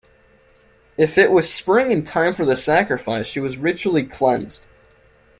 If it was spring and time for the sacrifice, she was ritually cleansed.